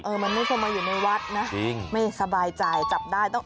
เออมันไม่ควรมาอยู่ในวัดนะไม่สบายใจจับได้จริง